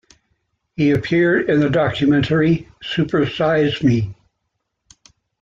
He appeared in the documentary "Super Size Me".